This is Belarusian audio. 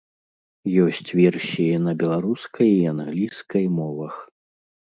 Ёсць версіі на беларускай і англійскай мовах.